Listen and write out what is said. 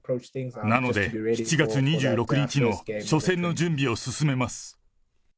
なので７月２６日の初戦の準備を進めます。